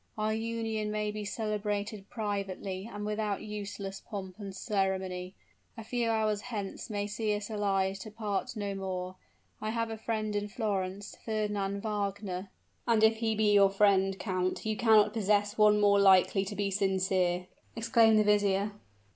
Our union may be celebrated privately and without useless pomp and ceremony; a few hours hence may see us allied to part no more. I have a friend in Florence Fernand Wagner " "And if he be your friend, count, you cannot possess one more likely to be sincere!" exclaimed the vizier.